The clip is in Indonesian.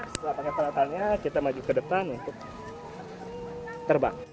setelah pakai peralatannya kita maju ke depan untuk terbang